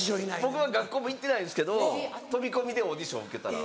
僕は学校も行ってないですけど飛び込みでオーディション受けたら。